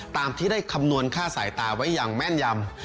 ตามที่ได้คำนวณค่าสายตาไว้อย่างแม่นยำ